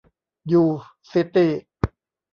ยู ซิตี้